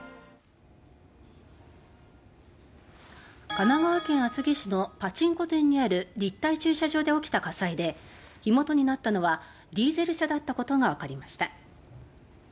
神奈川県厚木市のパチンコ店にある立体駐車場で起きた火災で火元になったのはディーゼル車だったことがわかりました。